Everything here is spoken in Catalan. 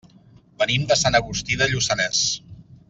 Venim de Sant Agustí de Lluçanès.